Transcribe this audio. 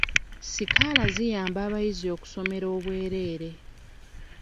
Sikaala ziyamba abayizi okusomera obwereere.